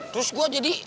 terus gua jadi